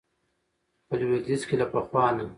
په لويديځ کې له پخوا نه